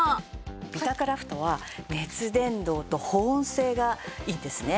ビタクラフトは熱伝導と保温性がいいんですね。